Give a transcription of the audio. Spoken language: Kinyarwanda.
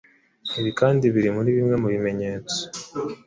Ibi kandi ngo biri muri bimwe mu bimenyetso